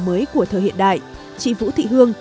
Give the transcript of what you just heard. mới của thời hiện đại chị vũ thị hương